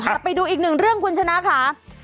แต่ไปดูอีกหนึ่งเรื่องคุณชนะค่ะ